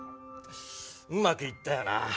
うまくいったよな。